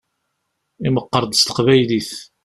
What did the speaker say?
Imeqqeṛ-d s teqbaylit.